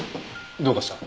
どうかした？